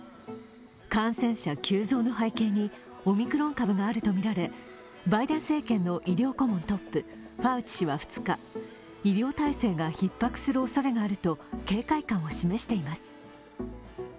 感染者急増の背景にオミクロン株があるとみられ、バイデン政権の医療顧問トップ、ファウチ氏は２日、医療体制がひっ迫するおそれがあると警戒感を示しています。